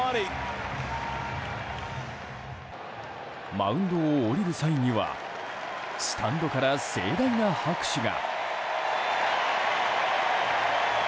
マウンドを降りる際にはスタンドから盛大な拍手が。